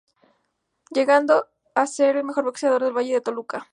Llegando a ser el mejor boxeador del Valle de Toluca.